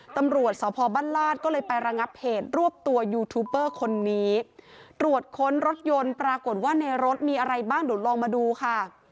ตำรวจสพบ้านลาดก็เลยไประงับเหตุรวบตัวยูทูปเปอร์คนนี้ตรวจค้นรถยนต์ปรากฏว่าในรถมีอะไรบ้างเดี๋ยวลองมาดูค่ะ